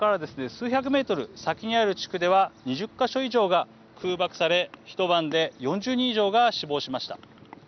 数百メートル先にある地区では２０か所以上が空爆され一晩で４０人以上が死亡しました。